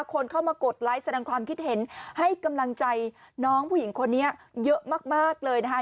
คนเข้ามากดไลค์แสดงความคิดเห็นให้กำลังใจน้องผู้หญิงคนนี้เยอะมากเลยนะคะ